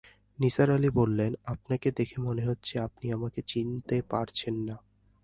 নিসার আলি বললেন, আপনাকে দেখে মনে হচ্ছে আপনি আমাকে চিনতে পারছেন না।